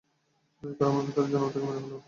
দয়া করে আমার ভেতরের জানোয়ারটাকে মেরে ফেলুন!